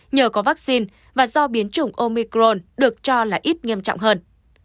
nhờ có vaccine và do biến chủng omicron được cho là ít nghiêm trọng hơn